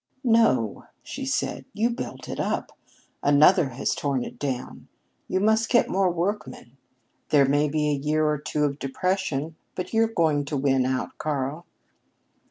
"No," she said, "you built up; another has torn down. You must get more workmen. There may be a year or two of depression, but you're going to win out, Karl."